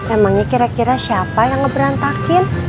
emangnya kira kira siapa yang ngeberantakin